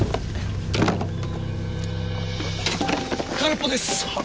空っぽです！